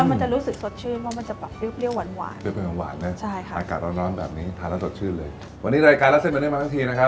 วันนี้ใร่การเล่าเส้นเป็นเรื่องมาข้างทีนะคะ